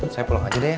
saya pulang aja deh ya